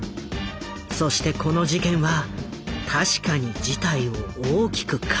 そしてこの事件は確かに事態を大きく変える。